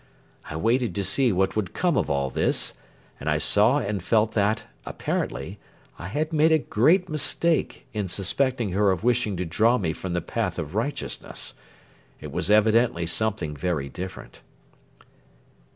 I waited to see what would come of all this, and I saw and felt that, apparently, I had made a great mistake in suspecting her of wishing to draw me from the path of righteousness. It was evidently something very different.